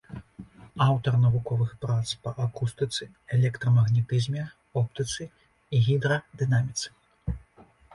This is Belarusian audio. Аўтар навуковых прац па акустыцы, электрамагнетызме, оптыцы і гідрадынаміцы.